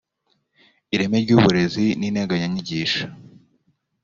ireme ry uburezi n integanyanyigisho